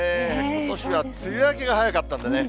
ことしは梅雨明けが早かったんでね。